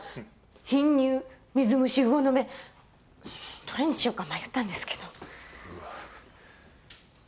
貧乳水虫魚の目どれにしようか迷ったんですけど。